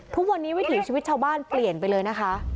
ทุกวันนี้วิถีชีวิตชาวบ้านเปลี่ยนไปเลยนะคะ